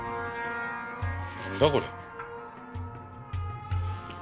何だこれ。